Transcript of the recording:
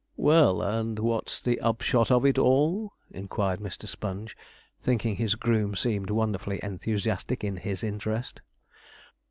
'Well, and what's the upshot of it all?' inquired Mr. Sponge, thinking his groom seemed wonderfully enthusiastic in his interest.